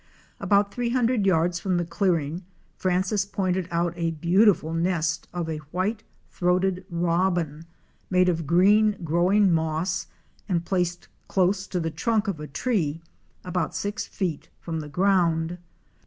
About three hundred yards from the clearing Francis pointed out a beautiful nest of a White throated Robin 2" made of green, growing moss, and placed close to the trunk of a tree, about six feet from the ground.